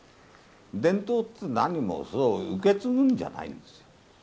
伝統って、何も受け継ぐんじゃないんです。